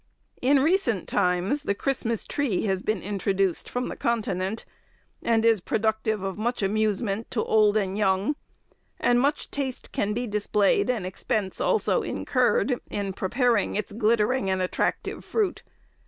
] In recent times the Christmas tree has been introduced from the continent, and is productive of much amusement to old and young, and much taste can be displayed and expense also incurred in preparing its glittering and attractive fruit.